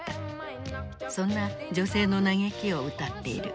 そんな女性の嘆きを歌っている。